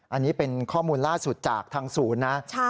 อันนี้เป็นข้อมูลล่าสุดจากทางศูนย์นะ